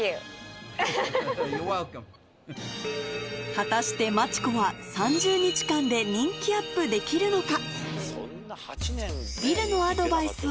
果たして真知子は３０日間で人気アップできるのか？